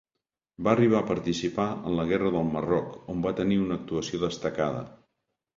Va arribar a participar en la Guerra del Marroc, on va tenir una actuació destacada.